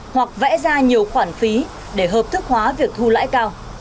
hoặc vẽ ra nhiều khoản phí để hợp thức hóa việc thu lãi cao